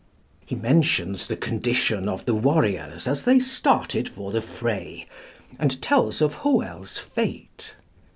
He mentions the condition of the warriors as they started for the fray, and tells of Hoel's fate.